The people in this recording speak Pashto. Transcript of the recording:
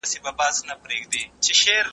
د احمدشاه بابا توره د دښمن لپاره مرګ وه.